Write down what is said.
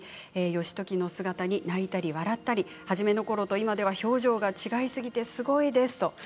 義時の姿に泣いたり笑ったり初めのころと今では表情が違いすぎて、すごいです。